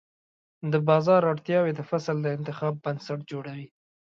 د بازار اړتیاوې د فصل د انتخاب بنسټ جوړوي.